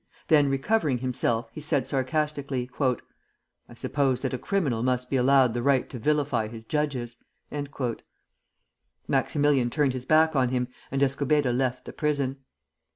Then, recovering himself, he said sarcastically: "I suppose that a criminal must be allowed the right to vilify his judges." Maximilian turned his back on him, and Escobedo left the prison.